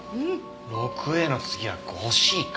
６Ａの次は５Ｃか。